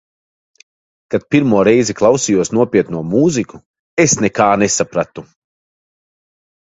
Kad pirmo reizi klausījos nopietno mūziku, es nekā nesapratu.